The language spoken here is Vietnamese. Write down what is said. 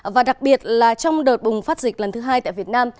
và đặc biệt là trong đợt bùng phát dịch lần thứ hai tại việt nam